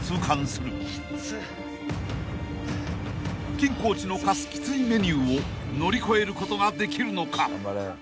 ［金コーチの課すきついメニューを乗り越えることができるのか？］